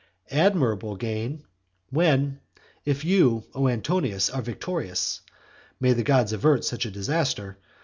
Admirable gain, when, if you, O Antonius, are victorious, (may the gods avert such a disaster!)